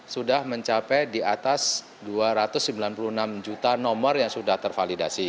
sudah mencapai di atas dua ratus sembilan puluh enam juta nomor yang sudah tervalidasi